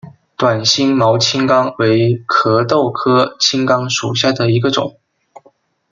短星毛青冈为壳斗科青冈属下的一个种。